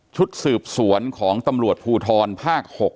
ชุดสืบสวนของตำรวจภูทรภาค๖